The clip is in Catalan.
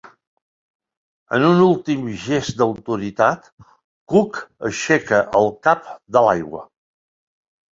En un últim gest d'autoritat, Cook aixeca el cap de l'aigua.